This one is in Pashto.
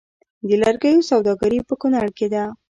د لرګیو سوداګري په کنړ کې ده